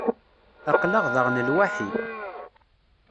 Aql-aɣ daɣen lwaḥi.